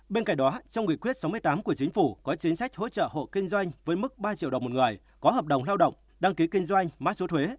bên cạnh đó trong nghị quyết sáu mươi tám của chính phủ có chính sách hỗ trợ hộ kinh doanh với mức ba triệu đồng một người có hợp đồng lao động đăng ký kinh doanh mã số thuế